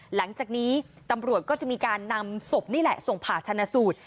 หลังจากนี้ตำรวจก็จะมีการนำศพนี่แหละส่งผ่าชนะสูตร